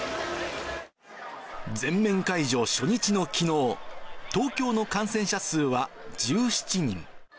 全面解除初日のきのう、東京の感染者数は１７人。